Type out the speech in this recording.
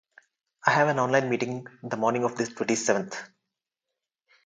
I have an online meeting the morning of the twenty-seventh.